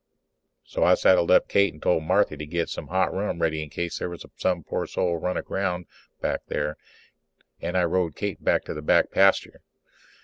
So I saddled up Kate and told Marthy to get some hot rum ready in case there was some poor soul run aground back there. And I rode Kate back to the back pasture.